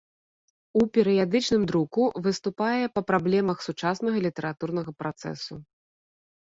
У перыядычным друку выступае па праблемах сучаснага літаратурнага працэсу.